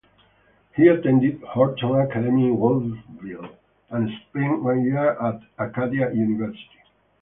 He attended Horton Academy in Wolfville and spent one year at Acadia University.